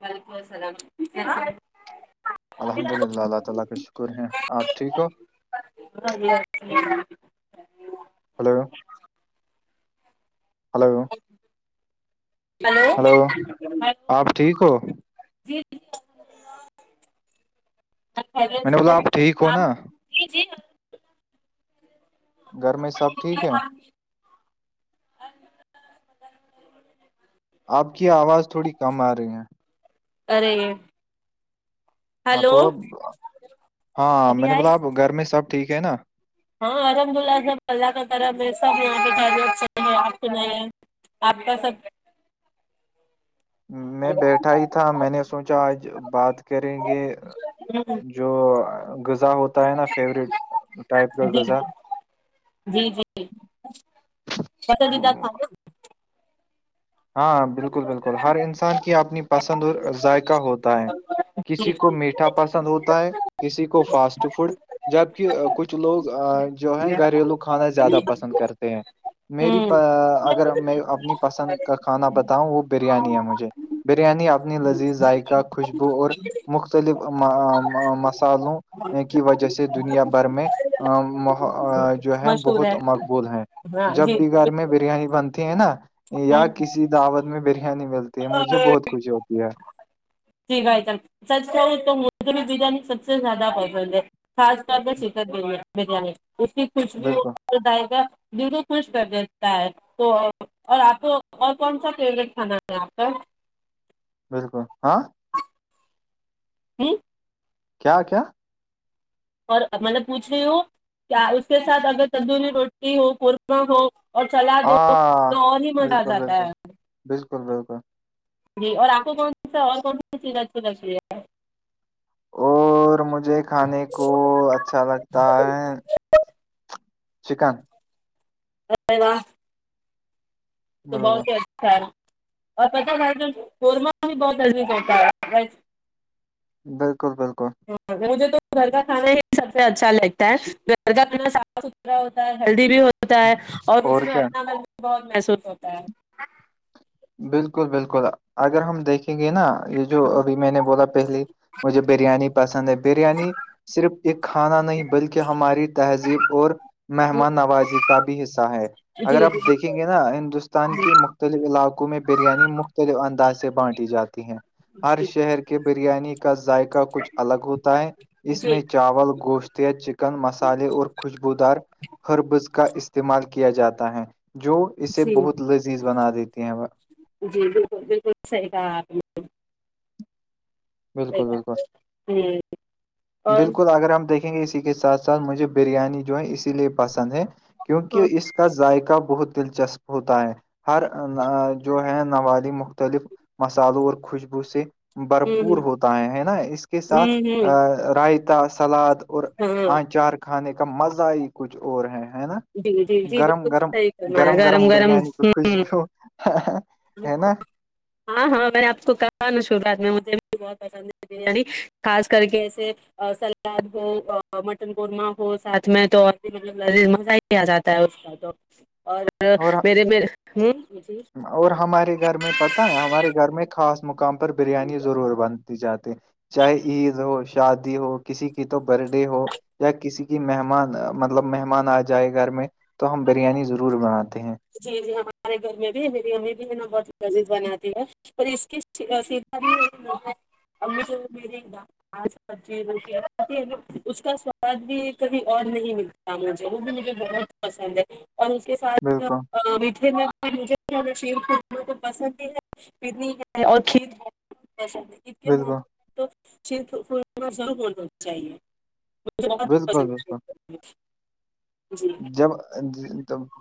وعلیکم السلام الحمد للہ اللہ تعالی کا شکر ہیں ٹھیک ہو بیاھی ہلو ہلو [unintelligible] مل ہلو آپ ٹھیک ہو میں جی نے بولا آپ ٹھیک ہو خ نا جی جی گھر میں سب ا ٹھیک ہے آ [unintelligible] آپ کی آواز تھوڑی کم آ رہی ہیں ارے ہاں ہلو تھوڑا ہاں ابھی میں نے آئی بولا اب گھر میں سب ٹھیک ہے نا ہاں الحمد اللہ سب اللہ کا طرف ہے سب یہاں پہ ب آپ سن آپ کا سب میں بیٹھا ہی تھا میں نے سوچا آج بات کریں گے جو غذا ہوتا ہے نا فیوریٹ ٹائپ کا جی جی غذا جی جیتدہ تھا ہاں بالکل بالکل ہر انسان کی اپنی پسند اور ذائق ہوتا ہے جی کسی کو ہوں میٹ مٹھا پسند ہوتا ہے کسی کو فاسٹ فوڈ جبک کچھ لوگ جو ہے گھریلو کھانا زیادہ پسند کرتے ہیں میری اگر میں اپنی پسند کا کھانا بتاؤں وہ بریانی ہے مجھے بریانی اپنی لذیذ ذائقہ خوشبو اور مختلف مصالوں کی وجہ سے دنیا بھر میں جو ہے بہت مقبول ہے ہاں جب جی بھی جی گھر میں بالکل بریانی بنتی ہے نا یا ہوں کسی دعوت میں بریانی ملتی ہے مجھے بہت خوشی ہوتی ہے جیھ ہے چل تو مدری بریانی سک سے زدہ پے خاص ط پ سکن ب بریانی اس کی کچھ بالکل بھیائے درو خش کر دیتا ہے تو اور آپ کو اور کون سا فیوروریٹ کھانا ہے آپ کا بالکل ہاں ہوں کیا کیا اور میں نے پوچھے ہو کیا اس کے ساتھ اگر تندوری روٹی ہو قورمہ ہو اور چلا دو ہاں تو اور نہیں مزہ آ بالکل جاتا بالکل ہے بالکل بالکل جی اور آپ کو کون سا اور کون سی چیزیں اچھی لگتی ہے اور مجھے کھانے کو اچھا لگتا ہے چکن اے و تو بہت بالکل ہی اچھا ہے نا اور پتہ بھائی قورمہ بھی بہت عییک ہوتا ہے بالکل بالکل مجھے تو گھر کا کھانا ہی سب سے اچھا لگتا ہے گھر کا کھانا صاف ستھرا ہوتا ہے ہیلدی بھی ہوتا ہے اور اس میں اپنا مل بھی بہت محسوس ہوتا ہے بالکل بالکل اگر ہم دیکھیں گے نا یہ جو ابھی میں نے بولا پہلی مجھے بریانی پسند ہے بریانی صرف ایک کھانا نہیں بلکہ ہماری تہذیب اور مہمان نوازی کا بھی حصہ ہے اگر جی جی آپ دیکھیں بالکل گے نا ہندوستان کے مختلف علاقوں میں بریانی مختلف انداز سے بانٹی جاتی ہے ہر شہر کے بریانی کا ذائقہ کچھ الگ ہوتا ہے اس جی میں چاول گوشت چکن مسالے اور خوشبوودار ہربز کا استعمال کیا جاتا ہے جو جی اسے جی بہت لذیذ بنا دیتی ہیں وہ جی بالکل بالکل صحیح کہا آپ نے بالکل بالکل ہوں بالکل اگر ہم دیکھیں گے اسی کے ساتھ ساتھ مجھے بریانی جو ہے اسی لیے پسند ہے ہاں کیونکہ اس کا ذائقہ بہت دلچسپ ہوتا ہے ہر جو ہے نوالی مختلف مسالوں اور خوشبو سے ہمم بھرپور ہمم ہوتا ہے ہے نا اس کے ساتھ ہمم رائتا سلاد اور ہاں آنچار کھانے کا مزہ ہی کچھ اور ہے ہے نا جی جی جی گرم بالکل گرم صحیح فرمایا گرم گرم بریانی کچھ خوش ہمم گ ہاں ہاں میں نے آپ کو کہا ن شوعات میں مجھے بھی بہت پسند ہے بریانی خاص کر کے ایسے سلاد ہو مٹن قورمہ ہو ساتھ میں تو اور بھی مطلب لذیذ مزہ ہی بھی آ جاتا ہے اور اور میرے م ہ اور ہمارے گھر میں پتاہ ہے ہمارے گھر میں خاص مقام پر بریانی ضرور بنتی جاتی چاہے عید ہو شادی ہو کسی کی تو بر ڈے ہو یا کسی کی مہمان مطلب مہمان آ جائے گھر میں تو ہم بریانی ضرور بناتے ہیں جی جی ہمارے گھر میں بھی میری ہمیں بھی ہے نا بہت مزید بناتی ہے اس کی سیدھا بھی ابھ مجے گا ج سبزی روٹی ہے اس کا سواد بھی کبھی اور نہیں ملتا موھے وہ بھی مجھے بہت پسند ہے اور اس کے ساتھ بالکل میٹے میں کو پسند ہی ہے پکنی ہے اور کھیت کے م بالکل تور چاہیے مجھے بہت بالکل بالکل پسند جی جب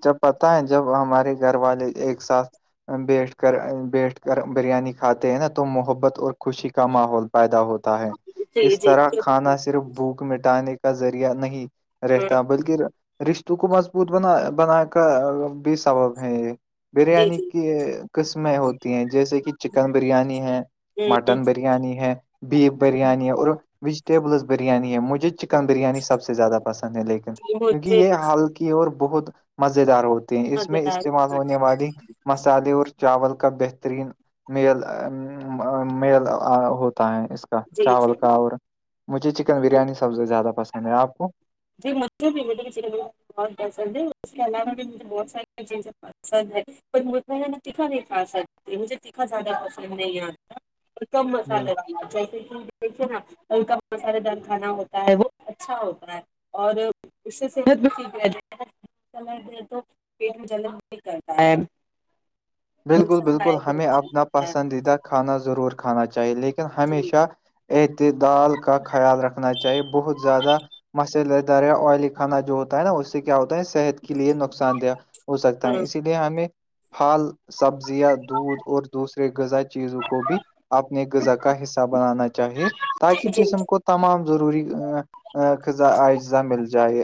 جب پتا ہے جب ہمارے گھر والے ایک ساتھ بیٹھ کر بیٹھ کر بریانی کھاتے ہیں نا تو محبت اور خوشی کا ماحول پیدا ہوتا ہے جی جی اس جی طرح جی کھانا صرف بھوک مٹانے کا ذریعہ نہیں رہتا بلکہ رشتوں کو مضبوط بنا بنا کا بھی سبب ہے یہ جی بریانی کی جی قسمیں ہوتی ہیں جیسے کہ چکن بریانی ہے مٹن بریانی ہے بیف بریانی ہے اور ویجیٹیبلس بریانی ہے مجھے چکن بریانی سب سے زیادہ پسند ہے لیکن کیونکہ مجھے یہ حال کی اور بہت مز دار ہوتے ہیں اس میں مزیدار استعمال ہونے والی مسالے اور چاول کا بہترین میل میل ہوتا ہے اس جی جی چاول کا جی اور مجھے چکن بریانی سب سے زیادہ پسند ہے آپ کو جی م اس کے عو بھیہ [unintelligible] پسند ہے پر مجہ ن تکھا نہیں کا سکتی مجھے تکھا زیادہ پسند نہیں آتا [inaudible] ا کم مسالے [unintelligible] جیسے کہ دیکھیے نا ہل کاا مسالے دار کھانا ہوتا ہے وہ اچھا ہوتا ہے [inaudible] اور اس سے صحت بھی ٹھیک رہ جاتی ہے تو پٹ میں ج کرتا ہے [inaudible] بالکل نقصان بالکل دائک ہمیں اپنا ہوتا ہے پسندیدہ کھانا ضرور کھانا چاہیے لیکن جی ہمیشہ احتدال کا خیال رکھنا چاہیے بہت زیادہ مسلے دریا آئلی کانا جو ہوتا ہے نا اس سے کیا ہوتا ہے صحت کے لیے نقصان دہ ہو سکتا ہے ہاں اسی لیے ہمیں ہال سبزیاں دودھ اور دوسرے غذا چیزوں کو بھی اپنی غذا کا حصہ بنانا چاہیے تاکہ جی جسم کو تمام ضروریا اجزا مل جائے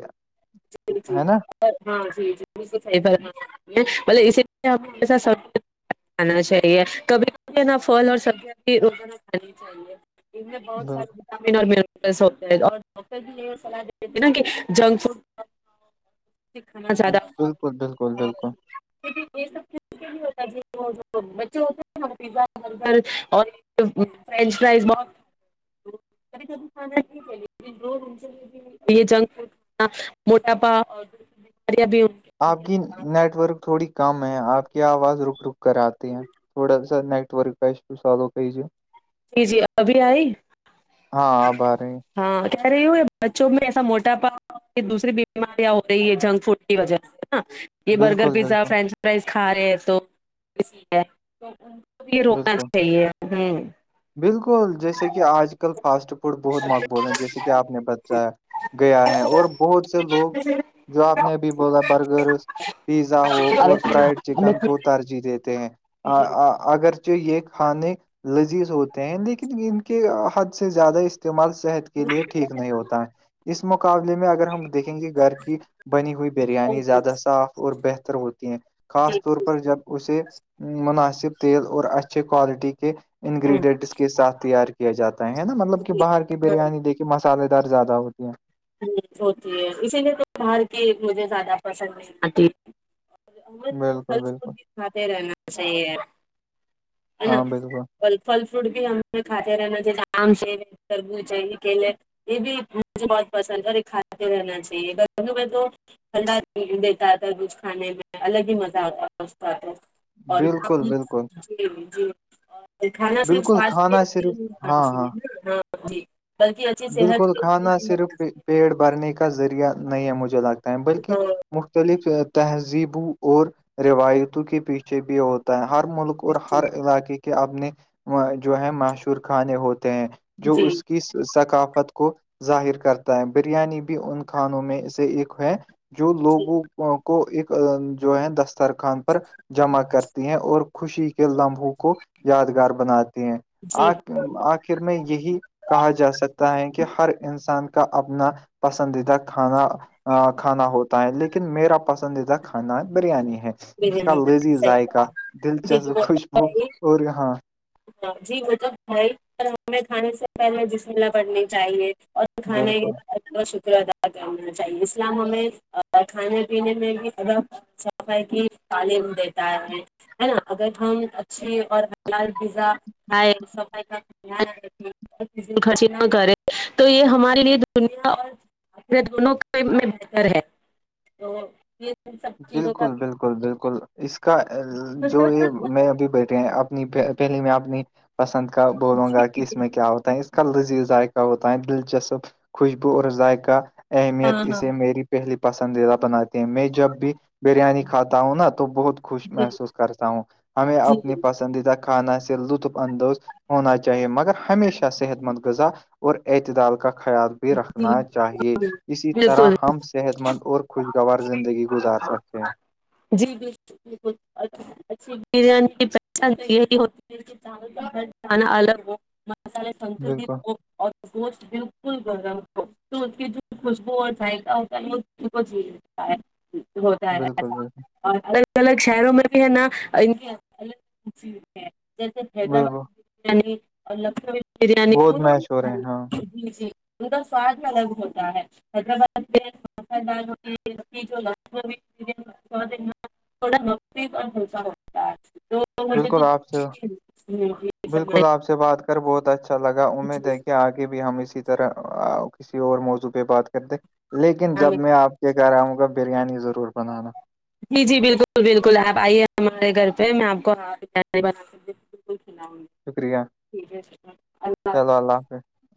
جی جی ہے نا ہاں جی جی بک صح [unintelligible] مطل اس لیے ہم سج [inaudible] کانا چاہیے کبھی کبھی نہ پھل اور سبزیاں بھی رانی چاہیے [inaudible] ان میں بہت ساریے [unintelligible] اور ہوتا اور ڈاکٹر بھی یہ سلاح دیتے ہیں نا کہ جنک فوڈ [inaudible] زیادہ بالکل بالکل بالکل بالکل یہ سب [inaudible] ہوتا ہے وہ بچے ہوتے ہیں پیا برگر اور فرینچ فرائز بہت یہ جنک فڈ [unintelligible] موٹاپا اور بیاریاں بھی آپ کی نیٹورک تھوڑی کم ہے آپ کی آواز رک رک کر آتی ہیں تھوڑا سا نیٹ ورک کا ایو سالو کئییے بھی ان جی جی ابھی آئی ہاں آپ آ رہے ہیں ہاں کہہ رہی ہ ہو یہ بچوں میں ایسا موٹا پا یہ دوسری بیماریاں ہو رہی ہے جنک فوڈ کی وجہ ہے نا یہ برگر بالکل پیزا بالکل فرینچ فرائز کھا رہے تو ب یہ روکنا بالکل چاہیے ہوں [unintelligible] بالکل جیسے کہ آج کل فاسٹ فوڈ بہت مقبول ہیں جیسے کہ آپ نے بتاایا گیا ہے اور بہت سے لوگ جو آپ نے ابھی بولا برگر پیزا ہو اور فرائڈ چکن کو ترجیح دیتے ہیں اگرچہ یہ کھانے [unintelligible] لذیذ ہوتے ہیں لیکن ان کے حد سے زیادہ استعمال صحت کے لیے ٹھیک نہیں ہوتا ہے اس مقابلے میں اگر ہم دیکھیں گے گھر کی بنی ہوئی بریانی زیادہ صاف اور بہتر ہوتی ہیں خاص طور پر جب اسے مناسب تیل اور اچھے کوالٹی کے انگریڈینٹس کے ساتھ تیار کیا جاتا ہے نا مطلب کہ باہر کی بریانی دیکھی مسالے دار زیادہ ہوتی ہیں ہ ہوتی ہے اسی لیے تو باہر کی مجھے زیادہ پسند نہیں آتی بالکل بالکل ف رہنا چ ن ہاں [unintelligible] بالکل اور پھل فروٹ بھی ہمیں کھاتے رہنا چیے آرام سے کرونچاہیے کے لیے [unintelligible] یہ بھی مجھے بہت پسند ہے اور یہ کھاتے رہنا چاہیے میں تو تھا دیتا تھا کچھ کھانے میں الگ ہی مزہ آتا تھا اس اور بالکل ج بالکل جی کھانا صرف بالکل سا کھانا صرف چاہے ہاں ہاں ہاں جی بلکہ اچھی صحت کے چاہیے پیڑ بھرنے کا ذریعہ نہیں ہے مجھے لگتا ہے بلکہ تو مختلف تہذیبوں اور روایتوں کے پیچھے بھی ہوتا ہے ہر ملک اور ہر جی علاقے کے اپنے جو ہے مشہور کھانے ہوتے ہیں جو جی اس کی ثقافت کو ظاہر کرتا ہے بریانی بھی ان کھانوں میں سے ایک ہے جو لوگوں کو ایک جو ہے دسترخان پر جمع کرتی ہیں اور خوشی کے لمحوں کو یادگار بناتے ہیں آ جی آخر میں یہی کہا جا سکتا ہے کہ ہر انسان کا اپنا پسندیدہ کھانا کھانا ہوتا ہے لیکن میرا پسندیدہ کھانا بریانی ہے اس کا لذی صحیح بات ذائقہ جی جی دلچسپ وہ تو خوشبو ہے ہی اور یہاں ہاں جی وہ توب بھائی پر ہمیں کھانے سے پہلے جسملہپٹنی چاہیے اور کھانے کے بالکل ال کا شکر ادا کرنا چاہیے اسلام ہمیں کھانے پینے میں بھی ا کہ تعلیم دیتا ہے ہے نا اگر ہم اچھے اور حالات پزا کائے س کا خرچ نہ کرے تو یہ ہمارے لیے دنیا اور نے دونوں میں بہتر ہے ان سب چیزوں کا بالکل بھی بالکل بالکل اس کا جو یہ جی میں ابھی بیٹھے ہیں اب اپ پہلی میں اپنی پسند کا بولوں گا کہ اس میں کیا ہوتا ہے اس کا لذیذ ذائقہ ہوتا ہے دلچسپ خوشبو اور ذائقہ اہمیت ہاں ہاں اسے میری پہلی پسندیدہ بناتی ہیں میں جب بھی بریانی کھاتا ہوں نا تو بہت خوش جی محسوس کرتا ہوں ہمیں جی اپنی پسند پسندیدہ خانہ سے لطف اندوز ہونا چاہیے مگر ہمیشہ صحت مند غذا اور اعتدال کا خیال بھی جی رکھنا چاہیے جی، اسی طرح بالکل ہم صحت مند اور خوشگوار زندگی گزار سکتے ہیں جی بالکل بالکلھی بریانی پ یہی چ کا چانا الگ ہو مسالے سنتل بالکل ہو اور گوش بالکل گرم کو تو اس کی جو خوشبو اور ذائقہ ہوتا ہے وہ ان کو جیتا ہے ہوتا ہے بالکل ایسا بالکل اور الگ الگ شہروں میں بھی ہے نا ان کی ال جیسے حیدرآباد بالکل بریانی اور لکو بریانی بہت دونوں میچ ہو رہے ہیں ہاں ہی جی جی ان کا سواد الگ ہوتا ہے حیدرباد میں تھوڑا نک ہو ہوتا تو مجے تو بالکل آپ جی سے جی بالکل آپ سے بات کر بہت اچھا لگا امید ہے کہ آگے بھی ہم اسی طرح کسی اور موضوع پہ بات کرتے لیکن جب میں آپ یہ کہہ رہا ہوںگا بریانی ضرور بنانا جی جی بالکل بالکل آپ آئیے ہمارے گھر پہ میں آپ کو ب ب س گ شکریہ ٹھیک ہے اللہ چلو حافظ اللہ حافظ